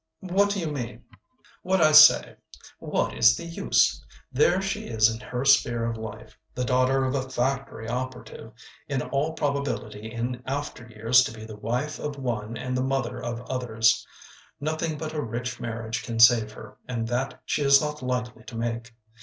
"What do you mean?" "What I say. What is the use? There she is in her sphere of life, the daughter of a factory operative, in all probability in after years to be the wife of one and the mother of others. Nothing but a rich marriage can save her, and that she is not likely to make.